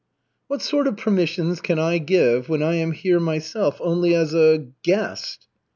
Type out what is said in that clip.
"What sort of permissions can I give when I am here myself only as a guest?"